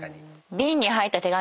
瓶に入った手紙。